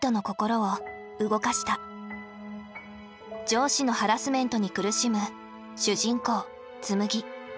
上司のハラスメントに苦しむ主人公紬。